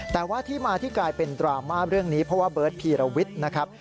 แต่ว่าที่มาที่กลายเป็นดราม่าเรื่องนี้เพราะว่าเบิร์ตพีรวิทย์นะครับ